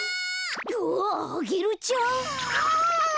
うわっアゲルちゃん。